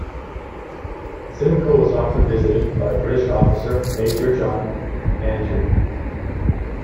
Simcoe was often visited by British officer Major John Andre.